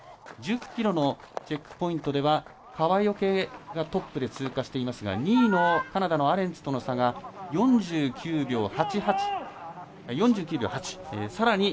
１０ｋｍのチェックポイントでは川除がトップで通過していますが２位のカナダのアレンツとの差が４９秒８。